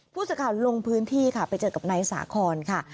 ผู้สื่อข่าวลงพื้นที่ค่ะไปเจอกับนายสาคอนค่ะ